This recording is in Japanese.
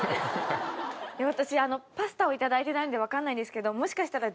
私パスタをいただいてないので分かんないんですけどもしかしたら。